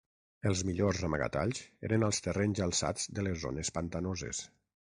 Els millors amagatalls eren als terrenys alçats de les zones pantanoses.